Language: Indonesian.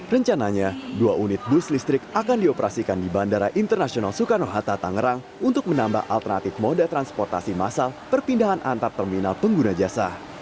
rencananya dua unit bus listrik akan dioperasikan di bandara internasional soekarno hatta tangerang untuk menambah alternatif moda transportasi masal perpindahan antar terminal pengguna jasa